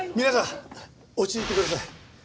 皆さん落ち着いてください。